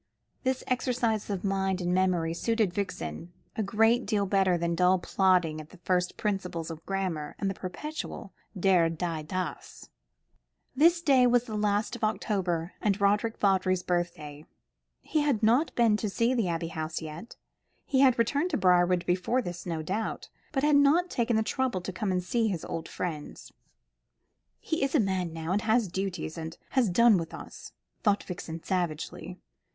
This exercise of mind and memory suited Vixen a great deal better than dull plodding at the first principles of grammar, and the perpetual der, die, das. This day was the last of October, and Roderick Vawdrey's birthday. He had not been seen at the Abbey House yet. He had returned to Briarwood before this, no doubt, but had not taken the trouble to come and see his old friends. "He's a man now, and has duties, and has done with us," thought Vixen savagely.